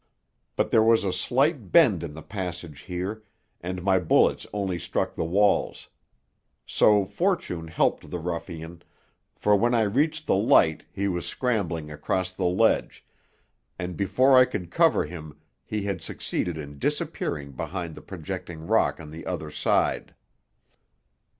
But there was a slight bend in the passage here, and my bullets only struck the walls. So fortune helped the ruffian, for when I reached the light he was scrambling across the ledge, and before I could cover him he had succeeded in disappearing behind the projecting rock on the other side.